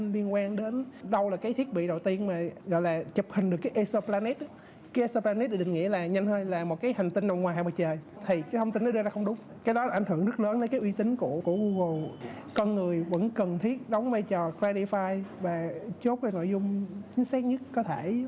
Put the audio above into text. và chốt cái nội dung chính xác nhất có thể